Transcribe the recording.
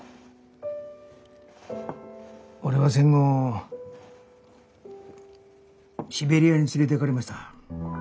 俺は戦後シベリアに連れていかれました。